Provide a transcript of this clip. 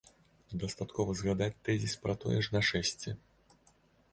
Дастаткова згадаць тэзіс пра тое ж нашэсце.